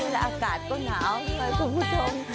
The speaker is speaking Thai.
แล้วอากาศก็หนาวค่ะคุณผู้ชม